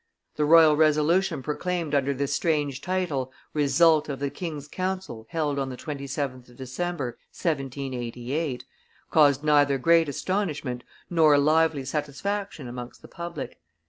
The royal resolution proclaimed under this strange title, Result of the King's Council held on the 27th of December, 1788, caused neither great astonishment nor lively satisfaction amongst the public.